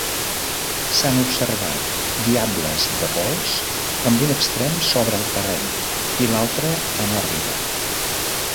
S'han observat diables de pols amb un extrem sobre el terreny i l'altre en òrbita.